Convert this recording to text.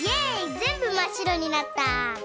ぜんぶまっしろになった！